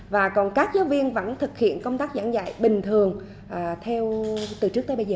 và còn các giáo viên vẫn thực hiện công tác giảng dạy bình thường từ trước tới bây giờ